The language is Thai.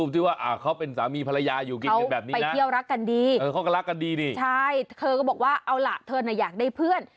เธอน่ะอยากได้เพื่อน